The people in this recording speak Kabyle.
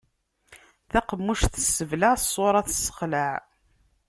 Taqemmuct tesseblaɛ, ṣṣuṛa tessexlaɛ.